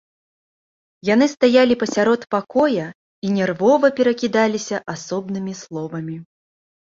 Яны стаялі пасярод пакоя і нервова перакідаліся асобнымі словамі.